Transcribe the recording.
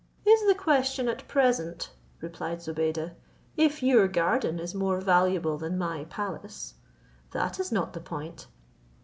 "Is the question at present," replied Zobeide, "if your garden is more valuable than my palace? That is not the point.